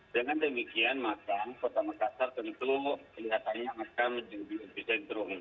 dengan demikian maka kota makassar tentu kelihatannya akan menjadi epicentrum